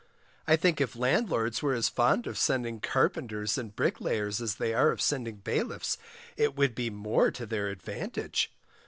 I think if landlords were as fond of sending carpenters and bricklayers as they are of sending bailiffs, it would be more to their advantage.